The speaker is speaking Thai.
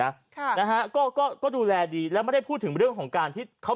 ค่ะนะฮะก็ก็ดูแลดีแล้วไม่ได้พูดถึงเรื่องของการที่เขา